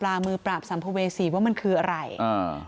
นายจักรพงค์บอกว่าเรื่องนี้มันเกิดขึ้นตั้งแต่เมื่อวันอาทิตย์นะคะ